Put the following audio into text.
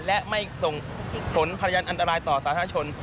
และไม่ส่งผลพยานอันตรายต่อสาธารณชน